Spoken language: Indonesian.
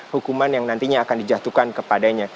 hukuman yang nantinya akan dijatuhkan kepadanya